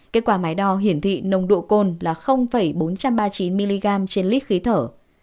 kết quả máy đo hiển thị nồng độ cồn là bốn trăm ba mươi chín mg trên lít khí thở